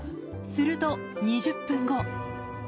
すると、２０分後。